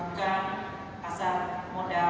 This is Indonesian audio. untuk mengambil kesempatan